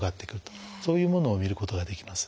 そういうものを見ることができます。